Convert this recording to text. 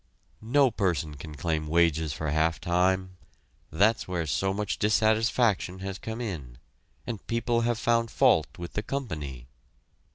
No person can claim wages for half time; that's where so much dissatisfaction has come in, and people have found fault with the company.